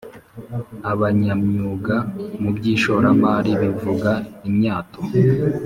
abanyamyuga mu by ishoramari bivuga imyato